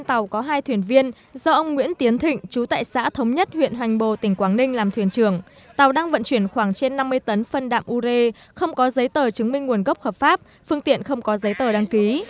tổ công tác cụm trinh sát số một bộ tư lệnh cảnh sát biển đã phát hiện một tàu vận tải vỏ sắt chở trên năm mươi tấn phân đạm u rê không có giấy tờ chứng minh nguồn gốc hợp pháp phương tiện không có giấy tờ đăng ký